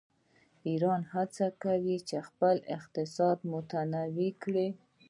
ایران هڅه کوي چې خپل اقتصاد متنوع کړي.